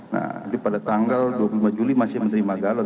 nah jadi pada tanggal dua puluh lima juli masih menerima galon